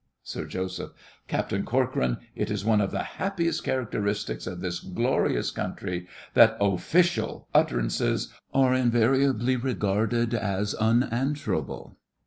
SIR JOSEPH. Captain Corcoran, it is one of the happiest characteristics of this glorious country that official utterances are invariably regarded as unanswerable.